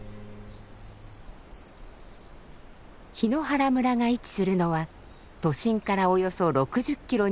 檜原村が位置するのは都心からおよそ６０キロ